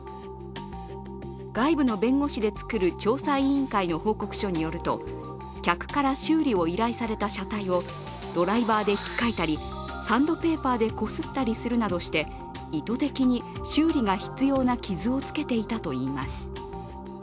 外部の弁護士で作る調査委員会の報告書によると客から修理を依頼された車体をドライバーでひっかいたり、サンドペーパーでこすったりするなどして意図的に修理が必要な傷をつけていたといいます。